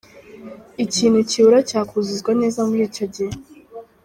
Ikintu kibura cyakuzuzwa neza muri icyo gihe.